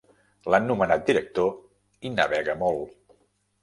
L'han nomenat director i navega molt.